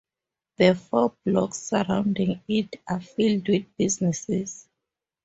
The four blocks surrounding it are filled with businesses.